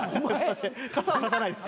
傘は差さないです。